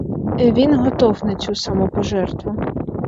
Він готов на цю самопожертву.